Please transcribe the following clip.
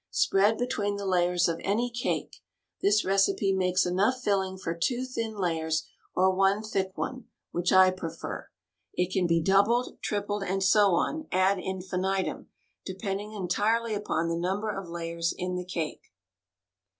Spread between the layers of any cake. This recipe makes enough filling for two thin layers, or one thick one — which I prefer. It can be doubled, tripled, and so on — ad infinitum — depending entirely upon the number of layers in the cake.